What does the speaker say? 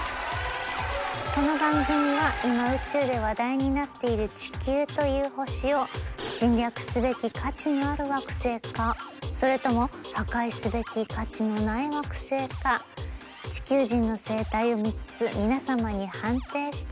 この番組は今宇宙で話題になっている地球という星を侵略すべき価値のある惑星かそれとも破壊すべき価値のない惑星か地球人の生態を見つつ皆様に判定していただきたいと思います。